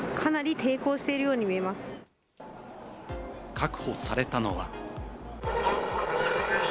確保されたのは。